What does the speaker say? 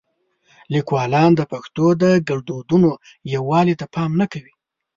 لیکوالان د پښتو د ګړدودونو یووالي ته پام نه کوي.